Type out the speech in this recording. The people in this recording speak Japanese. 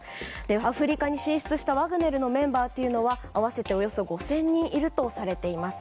アフリカに進出したワグネルのメンバーというのは合わせておよそ５０００人いるとされています。